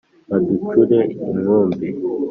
Baducure inkumbi